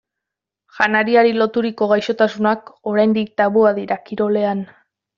Janariari loturiko gaixotasunak oraindik tabua dira kirolean.